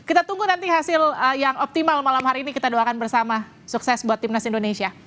kita tunggu nanti hasil yang optimal malam hari ini kita doakan bersama sukses buat timnas indonesia